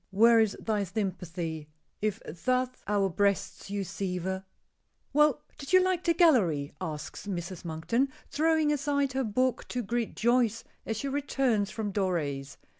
where is thy sympathy If thus our breasts you sever?" "Well, did you like the gallery?" asks Mrs. Monkton, throwing aside her book to greet Joyce as she returns from Doré's.